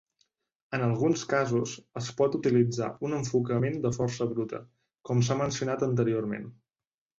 En alguns casos, es pot utilitzar un enfocament de força bruta, com s'ha mencionat anteriorment.